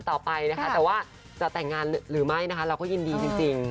แต่ว่าจะแต่งงานหรือไม่นะคะเราก็ยินดีจริง